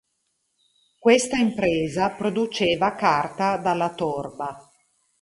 Questa imprese produceva carta dalla torba.